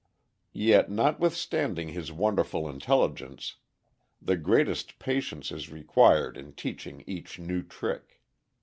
Yet, notwithstanding his wonderful intelligence, the greatest patience is required in teaching each new trick.